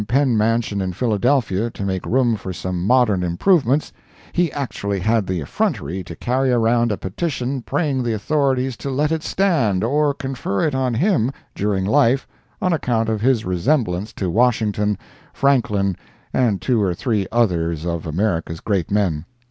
Penn mansion in Philadelphia to make room for some modern improvements, he actually had the effrontery to carry around a petition praying the authorities to let it stand, or confer it on him, during life, on account of his resemblance to Washington, Franklin and two or three others of America's great men.